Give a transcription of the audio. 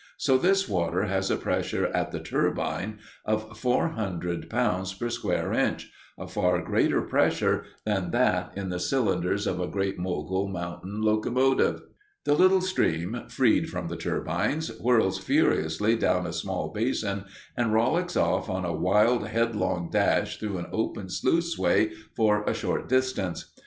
So this water has a pressure at the turbine of four hundred pounds per square inch a far greater pressure than that in the cylinders of a great Mogul mountain locomotive. The little stream, freed from the turbines, whirls furiously round a small basin and rollicks off on a wild, headlong dash through an open sluiceway for a short distance.